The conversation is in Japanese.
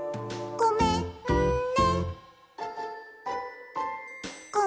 「ごめんね」